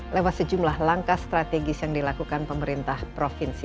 lewat sejumlah langkah strategis yang dilakukan pemerintah provinsi